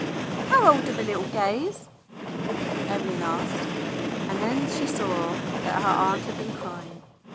"How old are the little Gays.^" Evelyn asked, and then she saw that her aunt had been crying.